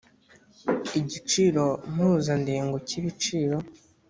igiciro mpuzandengo cy ibiciro